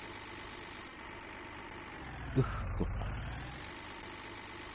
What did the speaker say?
egkuq